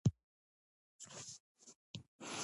علامه حبیبي د تاریخ د لیکلو اصول مراعات کړي دي.